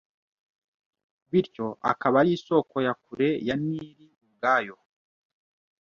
bityo akaba ari isoko ya kure ya Nili ubwayo